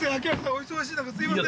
お忙しいのにすみません。